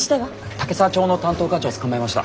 岳沢町の担当課長捕まえました。